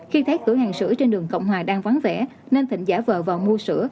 khi thấy cửa hàng sữa trên đường cộng hòa đang vắng vẻ nên thịnh giả vờ vào mua sữa